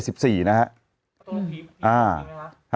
ตัวผีพิวน์จริงมั้ยฮะ